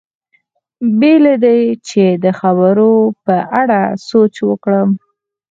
بې له دې چې د خبرو په اړه سوچ وکړم.